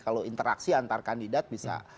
kalau interaksi antar kandidat bisa